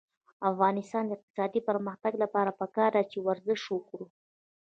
د افغانستان د اقتصادي پرمختګ لپاره پکار ده چې ورزش وکړو.